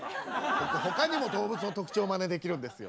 僕他にも動物の特徴まねできるんですよ。